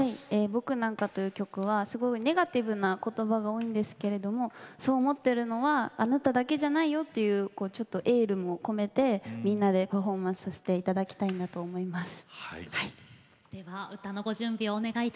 「僕なんか」というネガティブなことばが多いんですけれどそう思っているのはあなただけじゃないよというエールも込めてみんなでパフォーマンスをさせていただきたいと思います。